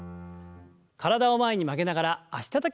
体を前に曲げながら脚たたきの運動です。